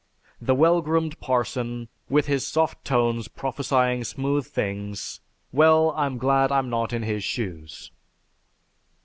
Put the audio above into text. The well groomed parson, with his soft tones prophesying smooth things, well, I'm glad I'm not in his shoes!"